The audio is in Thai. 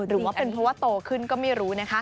หรือว่าเป็นเพราะว่าโตขึ้นก็ไม่รู้นะคะ